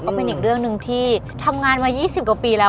ก็เป็นอีกเรื่องหนึ่งที่ทำงานมา๒๐กว่าปีแล้ว